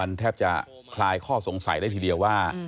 มันแทบจะคลายข้อสงสัยได้ทีเดียวว่า